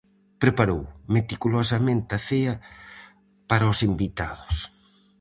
Preparou meticulosamente a cea para os invitados.